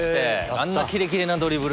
あんなキレキレなドリブルで。